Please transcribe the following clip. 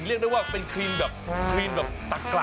เรียกได้ว่าเป็นครีมแบบครีมแบบตะกะ